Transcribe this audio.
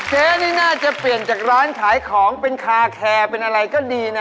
เจ๊นี่น่าจะเปลี่ยนจากร้านขายของเป็นคาแคร์เป็นอะไรก็ดีนะ